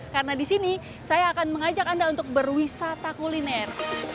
karena di sini saya akan mengajak anda untuk berwisata kuliner